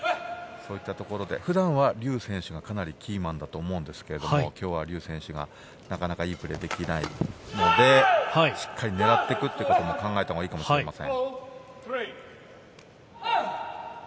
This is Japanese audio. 普段はリュウ選手はかなりキーマンだと思うんですけど、今日はリュウ選手がなかなかいいプレーができていないので、しっかり狙っていくということも考えたほうがいいかもしれません。